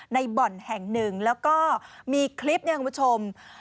บ่อนแห่งหนึ่งแล้วก็มีคลิปเนี่ยคุณผู้ชม